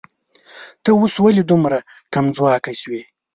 ته اوس ولې دومره کمځواکی شوې